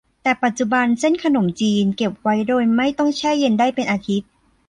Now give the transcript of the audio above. แต่ปัจจุบัน เส้นขนมจีนเก็บไว้โดยไม่ต้องแช่เย็นได้เป็นอาทิตย์